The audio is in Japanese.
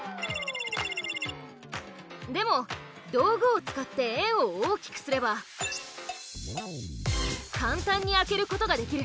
でも道具を使って円を大きくすれば簡単に開けることができる。